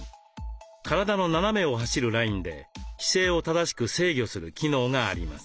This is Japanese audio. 体の斜めを走るラインで姿勢を正しく制御する機能があります。